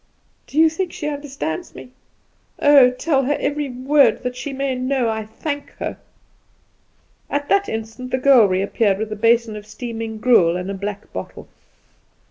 "Do you think she understands me? Oh, tell her every word, that she may know I thank her." At that instant the girl reappeared with a basin of steaming gruel and a black bottle.